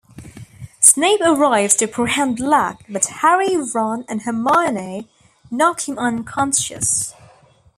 Snape arrives to apprehend Black but Harry, Ron, and Hermine knock him unconscious.